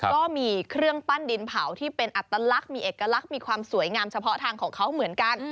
ก็มีเครื่องปั้นดินเผาที่เป็นอัตลักษณ์มีเอกลักษณ์มีความสวยงามเฉพาะทางของเขาเหมือนกัน